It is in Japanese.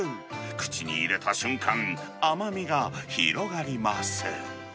口に入れた瞬間、甘みが広がります。